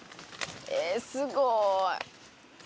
えぇすごい。